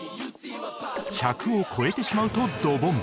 １００を超えてしまうとドボン